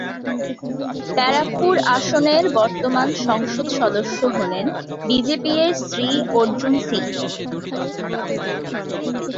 ব্যারাকপুর আসনের বর্তমান সংসদ সদস্য হলেন বিজেপি-এর শ্রী অর্জুন সিং।